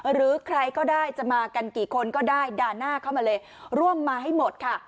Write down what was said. หรือใครก็ได้จะมากันกี่คนก็ได้ด่าหน้าเข้ามาเลยร่วมมาให้หมดค่ะ